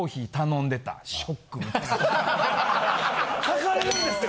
書かれるんですよ。